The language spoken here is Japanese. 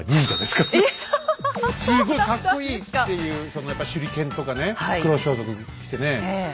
すごいカッコいいっていうそのやっぱり手裏剣とかね黒装束着てね